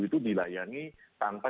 itu dilayani tanpa